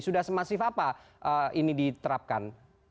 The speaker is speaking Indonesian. sudah semasif apa ini diterapkan